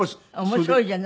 面白いじゃない。